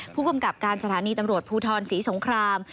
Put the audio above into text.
ผู้กำกับการสถานีตำรวจภูทรศรีสงคราม